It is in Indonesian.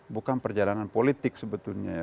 bukan perjalanan politik sebetulnya